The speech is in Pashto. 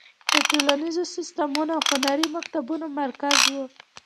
د ټولنیزو سیستمونو او هنري مکتبونو مرکز و.